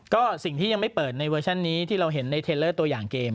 ก็สิ่งที่ยังไม่เปิดในเวอร์ชันนี้ที่เราเห็นในเทลเลอร์ตัวอย่างเกม